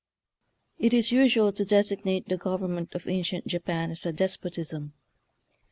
It is usual to designate the government of ancient Japan as a despotism.